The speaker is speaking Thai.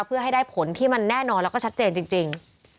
เพื่อให้ได้ผลที่มันแน่นอนแล้วก็ชัดเจนจริง